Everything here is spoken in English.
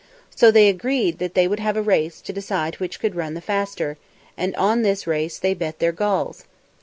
So they agreed that they would have a race to decide which could run the faster, and on this race they bet their galls.